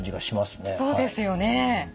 そうですよね。